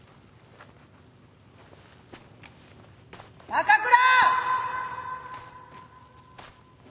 高倉！